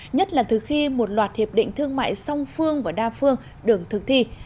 nhất là từ khi một loạt hiệp định thương mại song phương và đa phương đường thực thi